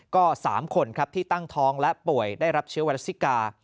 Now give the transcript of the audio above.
ก็๓คนครับที่ตั้งท้องและป่วยได้รับเชื้อไวรัสซิกา